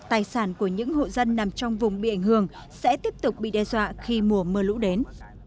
tài sản của những hộ dân nằm trong vùng bị ảnh hưởng sẽ tiếp tục bị đe dọa khi mùa mưa lũ đến